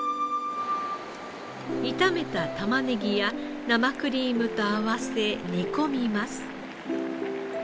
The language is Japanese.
炒めたタマネギや生クリームと合わせ煮込みます。